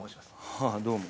はあどうも。